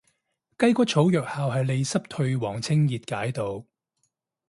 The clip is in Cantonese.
雞骨草藥效係利濕退黃清熱解毒